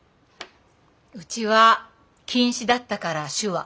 うちは禁止だったから手話。